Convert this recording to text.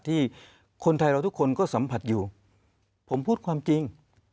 ที่คนไทยเราทุกคนก็สัมผัสอยู่ผมพูดความจริง